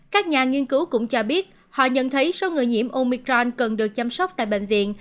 các nhà nghiên cứu cũng cho biết họ nhận thấy số người nhiễm omicron cần được chăm sóc tại bệnh viện